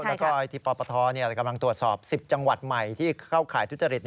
แล้วก็ที่ปปทกำลังตรวจสอบ๑๐จังหวัดใหม่ที่เข้าข่ายทุจริต